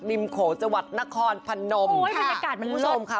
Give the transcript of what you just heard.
ลิมโขจังหวัดนครพนมค่ะโอ้ยบรรยากาศมันลดค่ะ